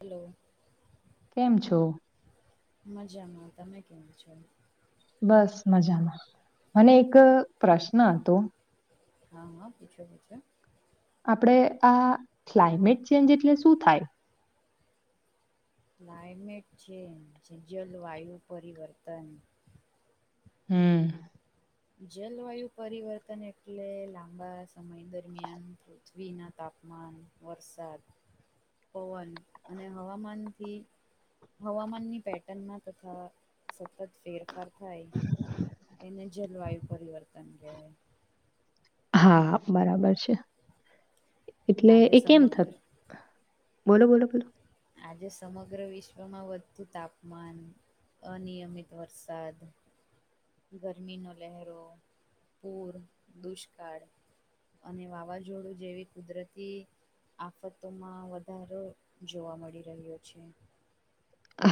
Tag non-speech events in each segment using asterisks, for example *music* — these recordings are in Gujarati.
હલો. કેમ છો? મજામાં. તમે કેવા છો? બસ મજામાં. મને એક પ્રશ્ન હતો? હા, હા, પૂછો, પૂછો. આપણેે, આ ક્લાઇમેટ ચેન્જ એટલે શું થાય? ક્લાઇમેન્ટ ચેન્જ, જ જલવાયુ પરિવર્તન હમ્મ. જલવાયુ પરિવર્તન એટલે લાંબા સમય દરમિયાન પૃથ્વીના તાપમાન, વરસાદ પવન, અને હવામાનથી હવામાનની પેટર્નમાં તથા સતત ફેરફાર થાય, એને જલવાયુ પરિવર્તન કહેવાય. હા, બરાબર છે. એટલે આજે એ કેમ થત સમગ્ર બોલો-બોલો-બોલો. આજે સમગ્ર વિશ્વમાં વધતું તાપમાન અનિયમિત વરસાદ ગરમીનો લહેરો, પૂર, દુષ્કાળ અને વાવાઝોડું જેવી કુદરતી આફતોમાં વધારો જોવા મળી રહ્યો છે.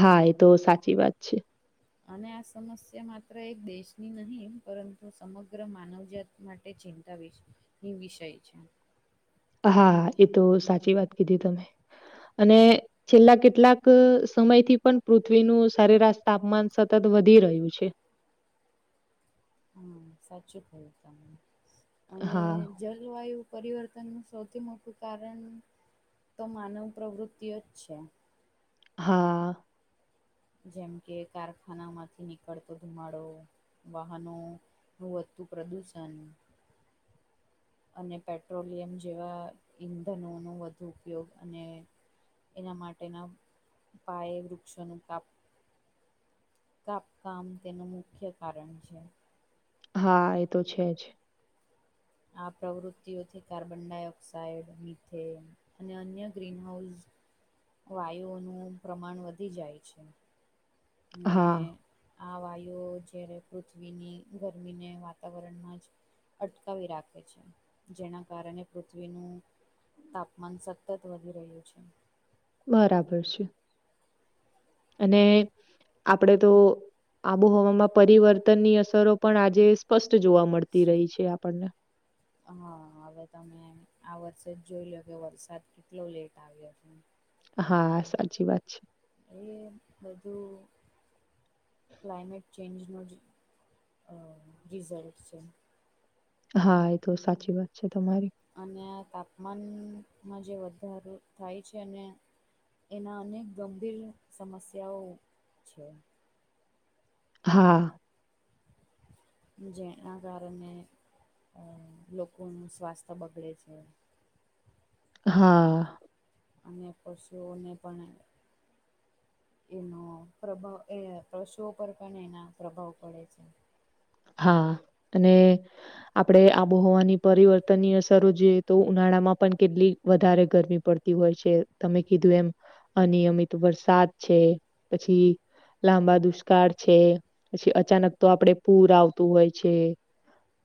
હા, એ તો સાચી વાત છે. અને આ સમસ્યા માત્ર એક દેશની નહીં, પરંતુ સમગ્ર માનવજાત માટે ચિંતા વિષ ની વિષય છે. હા, એ તો સાચી વાત કીધી તમે. અને છેલ્લા કેટલાક સમયથી પણ પૃથ્વીનું સરેરાશ તાપમાન સતત વધી રહ્યું છે. હમ્મ, સાચું કહ્યું તમે, અને હા. જલવાયુ પરિવર્તનનું સૌથી મોટું કારણ તો માનવ પ્રવૃત્તિઓ જ છે. હા. જેમ કે કારખાના માંથી નીકળતો ધુમાડો વાહનોનું વધતું પ્રદૂષણ અને પેટ્રોલિયમ જેવા ઈંધનોનો વધુ ઉપયોગ, અને એના માટેના પાયે વૃક્ષોનું કાપ કાપકામ તેનું મુખ્ય કારણ છે. હા, એ તો છે જ. આ પ્રવૃત્તિઓથી કાર્બન ડાયોક્સાઈડ, મિથેન અને અન્ય ગ્રીનહાઉસ વાયુઓનું પ્રમાણ વધી જાય છે. ને હા, આ વાયુ જ્યારે પૃથ્વીની ગરમીને વાતાવરણમાં જ અટકાવી રાખે છે. જેના કારણે પૃથ્વીનું તાપમાન સતત વધી રહ્યું છે. બરાબર છે. અને આપણેે તો આબોહવામાં પરિવર્તન ની અસરો પણ આજે સ સ્પષ્ટ જોવા મળતી રહી છે આપણને. હા. હવે તમે આ વર્ષે જ જોઈ લો કે વરસાદ કેટલો લેટ આવ્યો છે. હા, સાચી વાત છે. એ બધું ક્લાઇમેટ ચેન્જનો જ અહ રિઝલ્ટ છે. હા, એ તો સાચી વાત છે તમારી. અને આ તાપમાનમાં જે વધારો થાય છે, અને એના અનેક ગંભીર સમસ્યાઓ છે. હા. જેના કારણે અ લોકોનું સ્વાસ્થ્ય બગડે છે. હા. અને પશુઓને પણ એ એનો પ્રભાવ એ પશુઓ પર પણ એના પ્રભાવ પડે છે. હા. અને આપણે આબોહવાની પરિવર્તન ની અસરો જોઈએ તો ઉનાળામાં પણ કેટલી વધારે ગરમી પડ તી હોય છે તમે કીધું એમ અનિયમિત વરસાદ છે પછી લાંબા દુષ્કાળ છે પછી અચાનક તો આપડે પૂર આવતું હોય છે.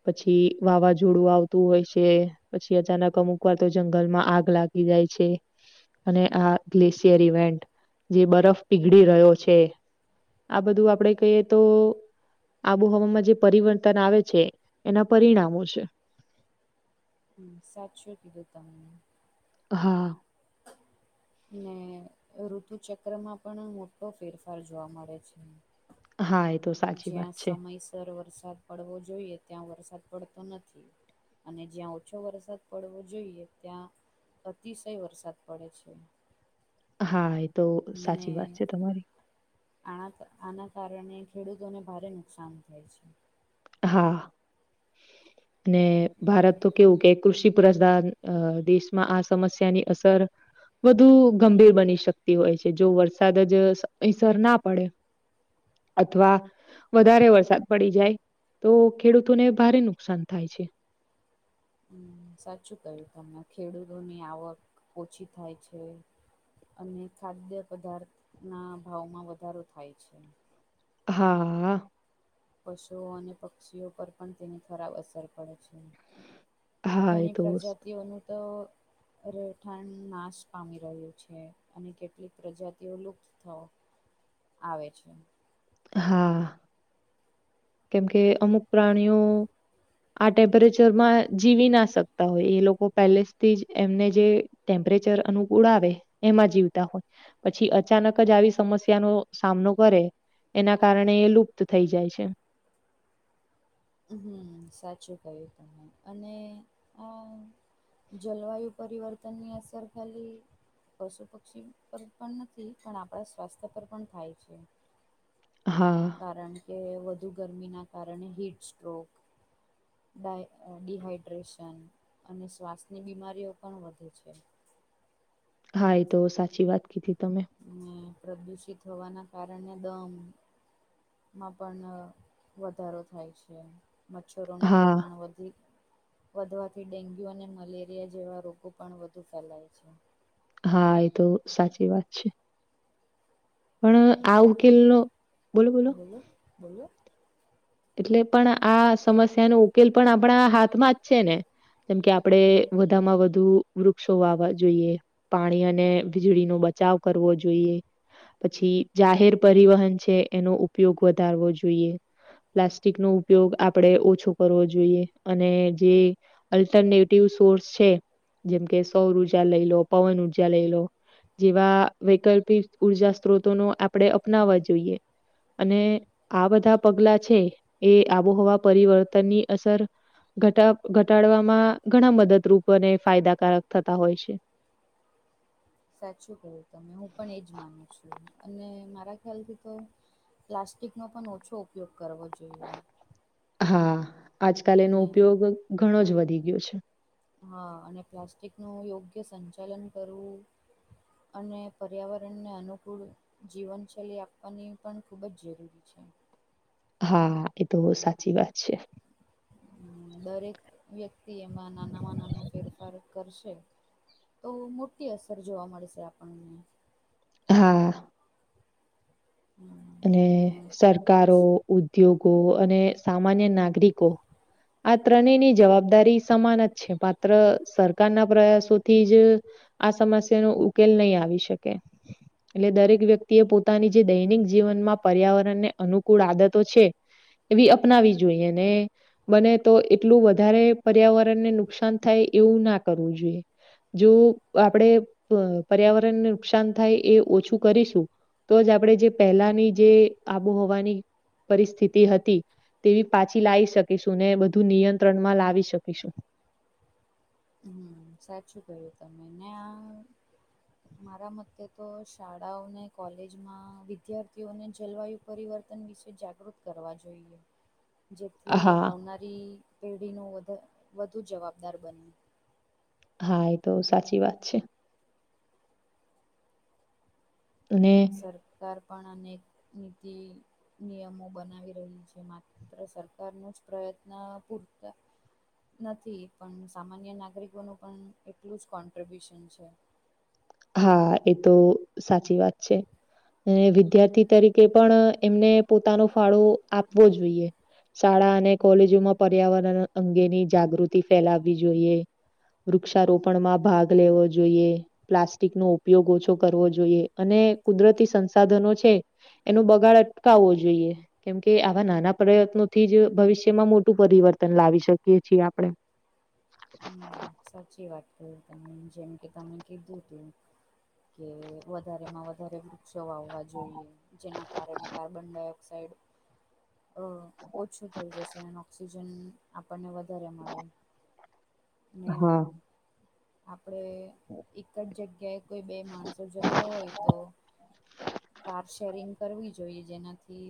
પછી વાવાઝોડું આવતું હોય છે. પછી અચાનક અમુક વાર તો જંગલમાં આગ લાગી જાય છે. અને આ ગ્લેશિયર ઇવેન્ટ જે બરફ પીગળી રહ્યો છે. આ બધું આપડે કહીએ તો આબોહવામાં જે પરિવર્તન આવે છે એના પરિણામો છે. હમ્મ સાચું કીધું તમે. હા. *inaudible* ને ઋતુ ચક્રમાં પણ મોટો ફેરફાર જોવા મળે છે. હા. તો સાચી વાત જ્યાં છે. સમયસર વરસાદ પડવો જોઈએ ત્યાં વરસાદ પડતો નથી. અને જ્યાં ઓછો વરસાદ પડવો જોઈએ ત્યાં અતિશય વરસાદ પડે છે. હા એ તો સાચી વાત છે તમારી. આ આના કારણે ખેડૂતોને ભારે નુકસાન થાય છે. હા ને ભારત તો કેવું કે કૃષિ પ્રધાન આ દેશમાં આ સમસ્યાની અસર વધુ ગંભીર બની શકતી હોય છે જો વરસાદ જ સમયસર ના પડે અથવા વધારે વરસાદ પડી જાય. તો ખેડૂતોને ભારે નુકસાન થાય છે. હમ્મ સાચું કહ્યું તમને ખેડૂતોની આવક ઓછી થાય છે. અને ખાદ્ય પદાર્થના ભાવમાં વધારો થાય છે. હા. પશુઓ અને પક્ષીઓ પર પણ તેની ખરાબ અસર પડે છે. હા એ ઘણી તો સ- પ્રજાતિઓનું તો રહેઠાણ નાશ પામી રહ્યું છે અને કેટલીક પ્રજાતિઓ લુપ્ત થવો આવે છે. હા. કેમ કે અમુક પ્રાણીઓ આ ટેમ્પરેચરમાં જીવી ના શકતા હોય એ લોકો પહેલે જ થી એમને જે ટેમ્પરેચર અનુકૂળ આવે એમાં જીવતા હોય. પછી અચાનક જ આવી સમસ્યાનો સામનો કરે એના કારણે એ લુપ્ત થઈ જાય છે. હમ્મ સાચું કહ્યું તમે અને આ જલવાયુ પરિવર્તનની અસર ખાલી પશુ પક્ષી પર પણ નથી પણ આપણા સ્વાસ્થ્ય પર પણ થાય છે. હા. કારણ કે વધુ ગરમીના કારણે હીટસ્ટ્ટ્રોક ડાય ડીહાઈડ્રેશન અને શ્વાસની બીમારીઓ પણ વધે છે. હા એ તો સાચી વાત કીધી તમે. હમ પ્રદુષિત હોવાના કારણે દમ માં પન અ વધારો થાય છે. મચ્છરોનું હા પ્રમાણ વધી વધવાથી ડેન્ગ્યુ અને મલેરિયા જેવા રોગો પણ વધુ ફેલાય છે. હા એ તો સાચી વાત છે. પણ આ એટલે ઉકેલનો બોલો બોલો. એટલે પણ આ સમસ્યાનો ઉકેલ પણ આપણા હાથમાં જ છે ને. જેમકે આપડે વધામાં વધુ વૃક્ષો વાવા જોઈએ. પાણી અને વીજળી નો બચાવ કરવો જોઈએ. પછી જાહેર પરિવહન છે એનો ઉપયોગ વધારવો જોઈએ. પ્લાસ્ટિકનો ઉપયોગ આપણેે ઓછો કરવો જોઈએ. અને જે અલ્ટરનેટિવ સોર્સ છે. જેમ કે સૌર ઉર્જા લઈ લો, પવન ઉર્જા લઈ લો. જેવા વૈકલ્પિક ઉર્જા સ્ત્રોતોનો આપણે અપનાવવા જોઈએ. અને આ બધા પગલા છે એ આબોહવા પરિવર્તનની અસર ઘટા ઘટાડવામાં ઘણા મદદરૂપ અને ફાયદાકારક થતા હોય છે. સાચું કહ્યું તમે હું પણ એજ માનું છું. અને મારા ખ્યાલથી તો પ્લાસ્ટિકનો પન ઓછો ઉપયોગ કરવો જોઈએ. હા આજકાલ એનો ને ઉપયોગ ઘણો જ વધી ગયો છે. હા અને પ્લાસ્ટિકનું યોગ્ય સંચાલન કરવું. અને પર્યાવરણને અનુકૂળ જીવનશૈલી આપવાની પણ ખૂબ જ જરૂરી છે. હા એતો સાચી વાત છે. હમ દરેક વ્યક્તિ એમાં નાનામાં નાનો ફેરફાર કરશે. તો મોટી અસર જોવા મળશે આપણને. હા હમ અને હમ સરકારો, ઉદ્યોગો અને સામાન્ય નાગરિકો આ ત્રણેયની જવાબદારી સમાન જ છે. માત્ર સરકારના પ્રયાસોથી જ આ સમસ્યાનો ઉકેલ નહીં આવી શકે. એટલે દરેક વ્યક્તિએ પોતાની જે દૈનિક જીવનમાં પર્યાવરણને અનુકૂળ આદતો છે. એવી અપનાવી જોઈએ અને બને તો એટલું વધારે પર્યાવરણને નુકસાન થાય એવું ના કરવું જોઈએ. જો આપણેે પર્યાવરણને નુકસાન થાય એ ઓછું કરીશું. તો જ આપણેે જે પહેલાની જે આબોહવાની પરિસ્થિતિ હતી. તેવી પાછી લાઈ શકીશું ને બધું નિયંત્રણમાં લાવી શકીશું. હમ સાચું કહ્યું તમે ને આ મારા મતે તો શાળાઓને કોલેજમાં વિદ્યાર્થીઓને જલવાયુ પરિવર્તન વિશે જાગૃત કરવા જોઈએ. જેથી હા આવનારી પેઢીનો વધ વધુ જવાબદાર બને. હા એતો સાચી વાત છે. અને સરકાર પણ અનેક નીતિ નિયમો બનાવી રહી છે. માત્ર સરકારનો જ પ્રયત્ન પૂરતા નથી પન સામાન્ય નાગરિકોનું પણ એટલું જ કોન્ટ્રિબ્યુશન છે. હા એ તો સાચી વાત છે. અને વિદ્યાર્થી તરી કે પણ એમને પોતાનો ફાળો આપવો જોઈએ. શાળા અને કોલેજોમાં પર્યાવરણ અંગેની જાગૃતિ ફેલાવવી જોઈએ. વૃક્ષારોપણમાં ભાગ લેવો જોઈએ. પ્લાસ ટિકનો ઉપયોગ ઓછો કરવો જોઈએ. અને કુદરતી સંસાધનો છે એનો બગાડ અટકાવવો જોઈએ. કેમ કે આવા નાના પ્રયત્નોથી જ ભવિષ્યમાં મોટું પરિવર્તન લાવી શકીએ છી આપણે. હમ સાચી વાત કરી તમે જેમ કે તમે કીધું તું કે વધારે માં વધારે વૃક્ષો વાવવા જોઈએ. જેના કારણે કાર્બનડાયોક્સઇડ ઓછું થઈ જશે અને ઓક્સિજન આપણને વધારે મળે. ને હા આપણેે એક જ જગ્યાએ કોઈ બે માણસો જતા હોય તો કાર શેરિંગ કરવી જોઈએ. જેનાથી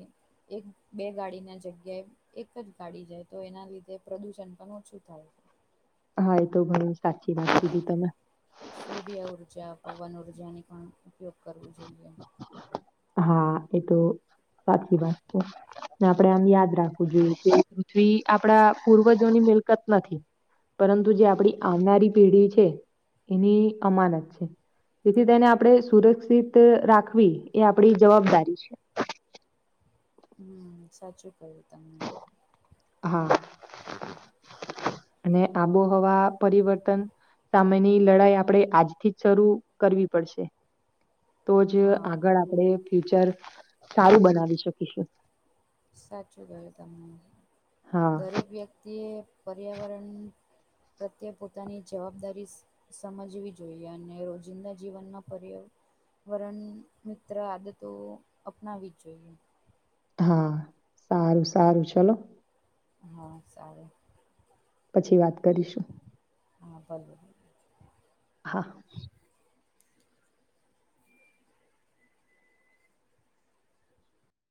એક બે ગાડીના જગ્યાએ એક જ ગાડી જાય તો એના લીધે પ્રદુષણ પણ ઓછું થાય. હા એ તો ઘણું જ અને સૂર્ય ઊર્જા, પવન ઊર્જાની પણ ઉપયોગ કરવો જોઈએ. હા એ તો સાચી વાત છે. આપડે આમ યાદ રાખવું જોઈએ કે પૃથ્વી આપડા પૂર્વજોની મિલકત નથી. પરંતુ જે આપડી આવનારી પેઢી છે એની અમાનત છે. તેથી તેને આપણે સુરક્ષિત રાખવી એ આપડી જવાબદારી છે. હમ્મ સાચું કહ્યું તમે. હા અને આબોહવા પરિવર્તન સામેની લડાઈ આપડે આજ થી જ શરૂ કરવી પડશે. તો જ હા આગળ આપણેે ફ્યુચર સારું બનાવી શકીશું. સાચું કહ્યું તમે હા દરેક વ્યક્તિ એ પર્યાવરણ પ્રત્યે પોતાની જવાબદારી સમજવી જોઈએ અને રોજિંદા જીવનમાં પર્યા વરણ મિત્ર આદતો અપનાવીવી જ જોઈએ. હા સારું સારું ચલો. હા સારું. પછી વાત કરીશું. હા પછી. હા.